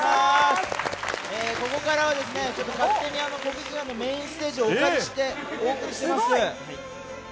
ここからは勝手に国技館のメインステージをお借りしてお送りします。